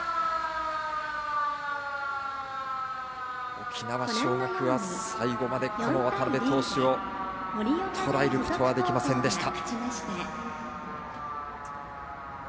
沖縄尚学は最後まで渡邊投手をとらえることはできませんでした。